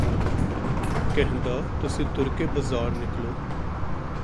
ਕਹਿੰਦਾ ਤੁਸੀਂ ਤੁਰ ਕੇ ਬਜ਼ਾਰ ਨਿਕਲੋ